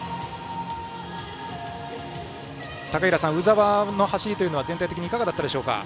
高平さん、鵜澤の走りは全体的にいかがだったでしょうか。